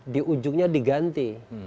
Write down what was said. di ujungnya diganti